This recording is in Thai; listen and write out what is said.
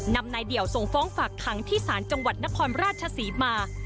นำนายเดี่ยวส่งฟ้องฝากขังที่ศาลจังหวัดนครราชศรีมา